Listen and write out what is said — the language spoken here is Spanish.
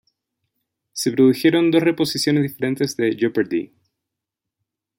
Se produjeron dos reposiciones diferentes de "Jeopardy!